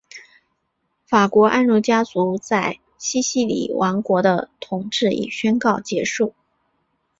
法国安茹家族在西西里王国的统治已宣告结束。